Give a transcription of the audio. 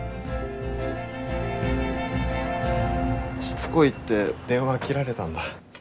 しつこいって電話切られたんだ。